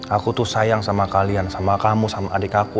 aku tuh sayang sama kalian sama kamu sama adik aku